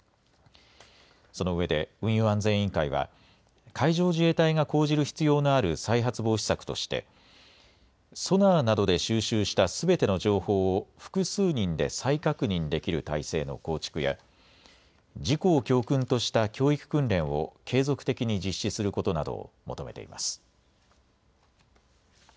そのうえで運輸安全委員会は海上自衛隊が講じる必要のある再発防止策としてソナーなどで収集したすべての情報を複数人で再確認できる体制の構築や事故を教訓とした教育訓練を継続的に実施することなどを求めています。